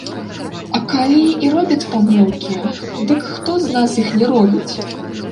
А калі і робяць памылкі, дык хто з нас іх не робіць?